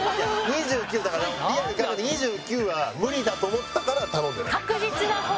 ２９だからリアルに考えて２９は無理だと思ったから頼んでない。